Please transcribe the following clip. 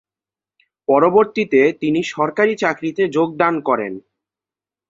পরবর্তীতে, তিনি সরকারি চাকরিতে যোগদান করেন।